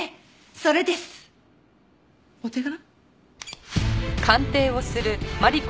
それです！お手柄？